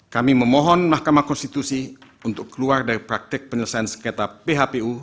kami memohon mahkamah konstitusi untuk keluar dari praktek penyelesaian sengketa phpu